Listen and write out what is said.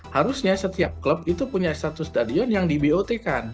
harusnya setiap klub itu punya satu stadion yang di bot kan